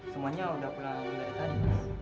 semuanya sudah pulang dari tadi